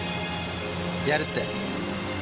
やるって。